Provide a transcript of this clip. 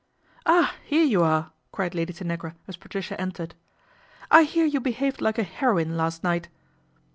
" Ah, here you are !" cried Lady Tanagra as Patricia entered. " I hear you behaved like a heroine last night."